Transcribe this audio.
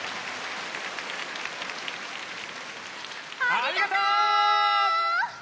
ありがとう！